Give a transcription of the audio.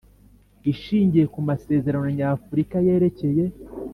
Ishingiye ku Masezerano Nyafurika yerekeye